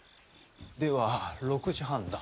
では６時半だ。